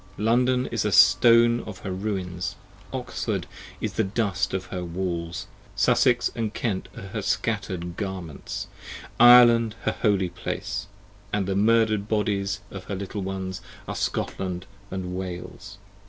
London is a stone of her ruins: Oxford is the dust of her walls: 20 Sussex & Kent are her scatter 'd garments: Ireland her holy place: And the murder'd bodies of her little ones are Scotland and Wales.